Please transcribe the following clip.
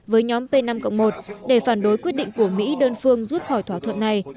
với nhóm p năm một để phản đối quyết định của mỹ đơn phương rút khỏi thỏa thuận này